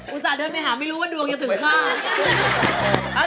อุ่นสายเดินไปหาไม่รู้ว่าดวงยังถึงไหน